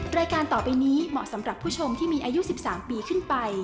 รายการต่อไปนี้เหมาะสำหรับผู้ชมที่มีอายุ๑๓ปีขึ้นไป